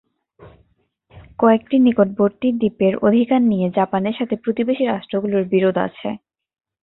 কয়েকটি নিকটবর্তী দ্বীপের অধিকার নিয়ে জাপানের সাথে প্রতিবেশী রাষ্ট্রগুলোর বিরোধ আছে।